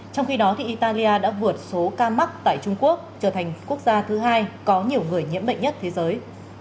trong khi đó italia đã vượt số ca mắc tại trung quốc trở thành quốc gia thứ hai có nhiều người nhiễm bệnh nhất thế giới